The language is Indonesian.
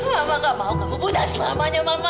mama gak mau kamu buddha selamanya mama